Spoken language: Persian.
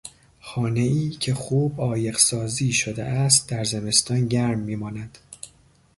خانهای که خوب عایق سازی شده است در زمستان گرم میماند.